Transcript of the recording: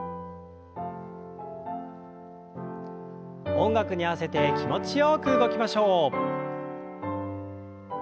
音楽に合わせて気持ちよく動きましょう。